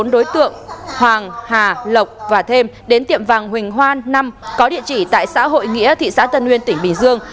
bốn đối tượng hoàng hà lộc và thêm đến tiệm vàng huỳnh hoan năm có địa chỉ tại xã hội nghĩa thị xã tân nguyên tỉnh bình dương